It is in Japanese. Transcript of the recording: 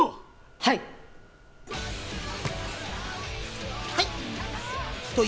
はい。